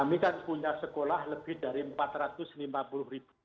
kami kan punya sekolah lebih dari empat ratus lima puluh ribu